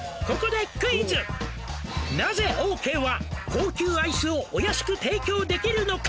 「なぜオーケーは高級アイスをお安く提供できるのか」